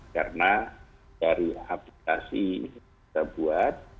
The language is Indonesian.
karena dari aplikasi yang kita buat